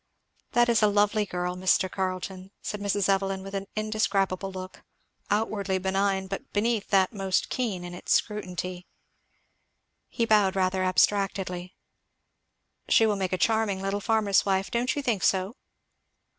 "That is a lovely girl, Mr. Carleton," said Mrs. Evelyn with an indescribable look outwardly benign, but beneath that most keen in its scrutiny. He bowed rather abstractedly. "She will make a charming little farmer's wife, don't you think so?"